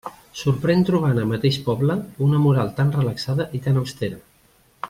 Sorprèn trobar en el mateix poble una moral tan relaxada i tan austera.